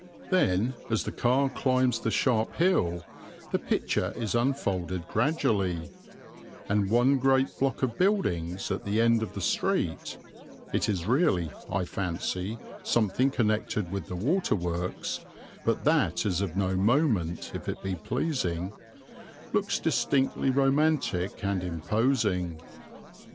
Then as the car climbs the sharp hill, the picture is unfolded gradually, and one great block of buildings at the end of the street (it is really, I fancy, something connected with the waterworks, but that is of no moment if it be pleasing) looks distinctly romantic and imposing.